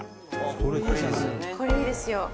「これいいですよ」